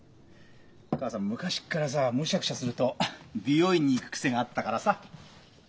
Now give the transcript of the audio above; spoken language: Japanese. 母さん昔っからさムシャクシャすると美容院に行く癖があったからさ。